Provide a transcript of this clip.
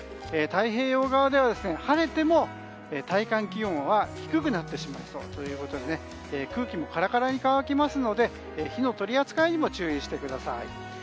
太平洋側では晴れても体感気温は低くなってしまいそうということで空気もカラカラに乾きますので火の取り扱いにも注意してください。